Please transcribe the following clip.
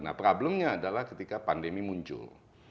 nah problemnya adalah ketika pandemi muncul